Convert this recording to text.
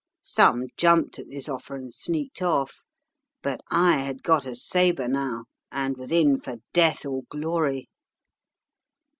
Some jumped at this offer and sneaked off; but I had got a sabre now, and was in for death or glory.